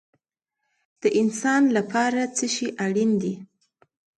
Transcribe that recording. د انسان لپاره څه شی اړین دی؟